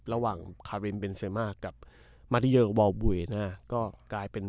สุดท้ายตอนนี้คดีก็ยังไม่จบ